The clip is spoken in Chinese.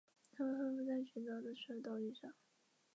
西岸建筑与当代艺术双年展与上海西岸音乐节也于区内举办。